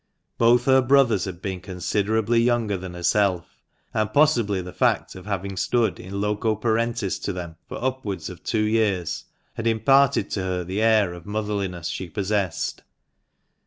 Both her brothers had been considerably younger than herself; and possibly the fact of having stood in loco parentis to them for upwards of two years had imparted to her the air of motherliness she possessed.